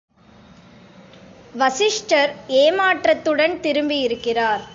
வசிஷ்டர் ஏமாற்றத்துடன் திரும்பியிருக்கிறார்.